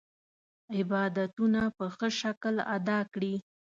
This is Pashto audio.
عبادتونه په ښه شکل ادا کړي.